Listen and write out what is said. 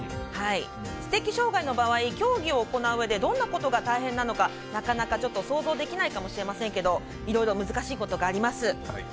知的障がいの場合競技を行ううえでどんなことが大変なのかなかなか想像できないかもしれないですがいろいろ難しいことがあります。